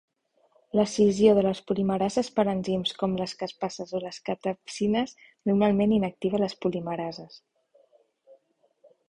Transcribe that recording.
L'escissió de les polimerases per enzims com les caspases o les catepsines, normalment inactiva les polimerases.